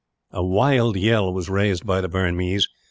A wild yell was raised by the Burmese.